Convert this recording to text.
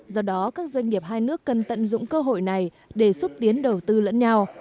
do đó các doanh nghiệp hai nước cần tận dụng cơ hội này để xúc tiến đầu tư lẫn nhau